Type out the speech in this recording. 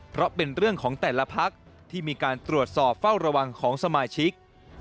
เพราะเป็นเรื่องของแต่ละพักที่มีการตรวจสอบเฝ้าระวังของสมาชิก